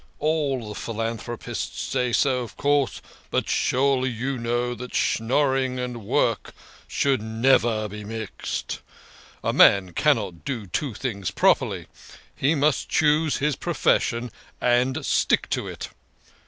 All the philanthropists say so, of course, but surely you know that schnorring and work should never be mixed. A man cannot do two things properly. He must choose his profession, and stick to it.